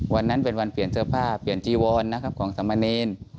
วันนั้นเป็นวันเปลี่ยนเสื้อผ้าเปลี่ยนจีวอนนะครับของสามเณร